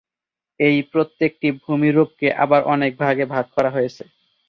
এই প্রত্যেকটি ভূমিরূপ কে আবার অনেক ভাগে ভাগ করা হয়েছে।